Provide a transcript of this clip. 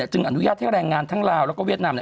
อนุญาตให้แรงงานทั้งลาวแล้วก็เวียดนาม